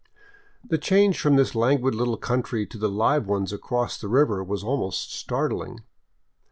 The change from this languid little country to the live one across the river was almost startling.